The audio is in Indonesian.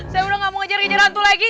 saya udah gak mau ngejar ngejar hantu lagi